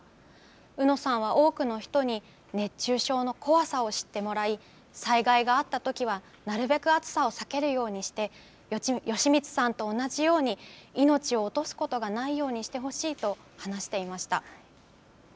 うのさんは多くの人に熱中症の怖さを知ってもらい災害があったときはなるべく暑さを避けるようにして芳満さんと同じように命を落とすことがないようにしてほしいと話していました。